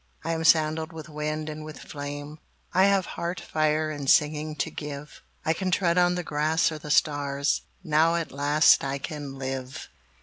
I am sandaled with wind and with flame, I have heart fire and singing to give, I can tread on the grass or the stars, Now at last I can live!